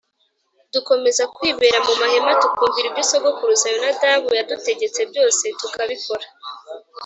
dukomeza kwibera mu mahema tukumvira ibyo sogokuruza Yonadabu yadutegetse byose tukabikora